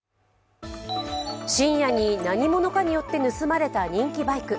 深夜に何者かによって盗まれた人気バイク。